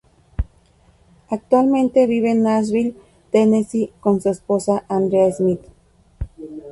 Actualmente vive en Nashville, Tennessee con su esposa, Andrea Smith.